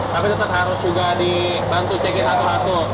tapi tetap harus juga dibantu cekin hatu hatu